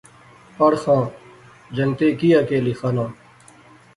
پڑھ خاں، جنگتے کیاکہیہ لیخاناں